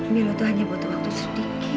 milo tuh hanya butuh waktu sedikit lagi